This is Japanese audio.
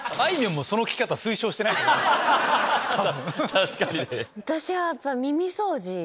確かにね。